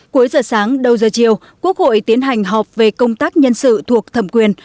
cuối giờ sáng đầu giờ chiều quốc hội tiến hành họp về công tác nhân sự thuộc thẩm quyền